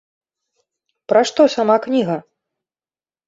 Пра што сама кніга?